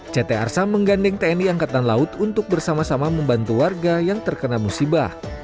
ct arsa menggandeng tni angkatan laut untuk bersama sama membantu warga yang terkena musibah